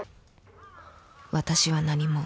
私は何も